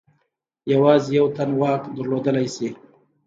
یوازې یو تن واک درلودلای شي.